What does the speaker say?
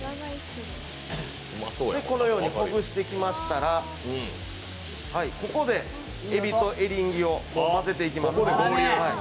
このようにほぐしてきましたらここでエビとエリンギを混ぜていきます。